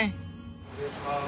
失礼します。